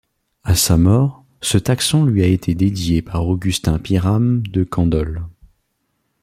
À sa mort, ce taxon lui a été dédié par Augustin Pyrame de Candolle.